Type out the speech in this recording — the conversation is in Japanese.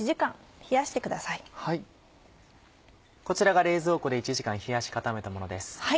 こちらが冷蔵庫で１時間冷やし固めたものです。